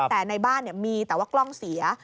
แต่ในบ้านมีแต่ว่ากล้องเสีย